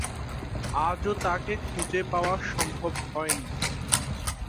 আজও তাকে খুঁজে পাওয়া সম্ভব হয়নি।